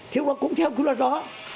thì cũng chẳng có lợi đó